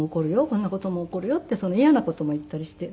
こんな事も起こるよって嫌な事も言ったりして。